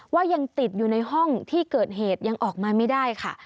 ว่ายังติดอยู่ในห้องที่เกิดเหตุยังออกมาไม่ได้ค่ะ